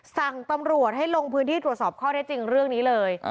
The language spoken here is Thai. สั่งตำรวจให้ลงพื้นที่ตรวจสอบข้อเท็จจริงเรื่องนี้เลย